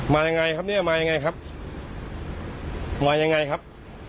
ยังไงครับเนี่ยมายังไงครับมายังไงครับ